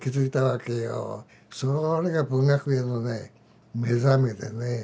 それが文学へのね目覚めでね。